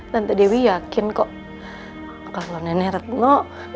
tante dewi yakin kok kalau nenek retno